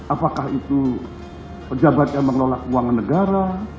apakah itu pejabat yang mengelola keuangan negara